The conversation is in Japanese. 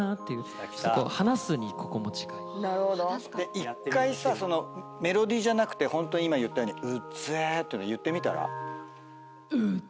１回さメロディーじゃなくてホント今言ったように「ウッゼえ」って言ってみたら？